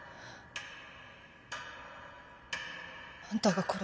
あんたが。